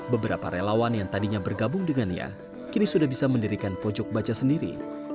beberapa relawan yang tadinya bergabung dengannya kini sudah bisa mendirikan pojok baca sendiri